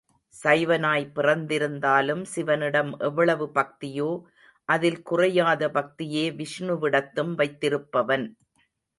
சைவனாய் பிறந்திருந்தாலும் சிவனிடம் எவ்வளவு பக்தியோ அதில் குறையாத பக்தியே விஷ்ணுவிடத்தும் வைத்திருப்பவன்.